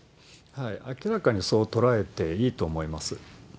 明らかにそう捉えていいと思います。